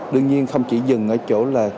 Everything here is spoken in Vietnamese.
đương nhiên không chỉ dừng ở chỗ là